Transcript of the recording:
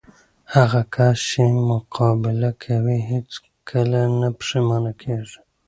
هغه کس چې مقابله کوي، هیڅ کله نه پښېمانه کېږي.